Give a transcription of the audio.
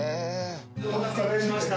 お待たせいたしました。